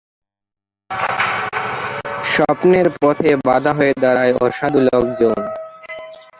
স্বপ্নের পথে বাধা হয়ে দাঁড়ায় অসাধু লোকজন।